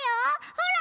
ほら！